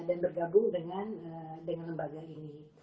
dan bergabung dengan lembaga ini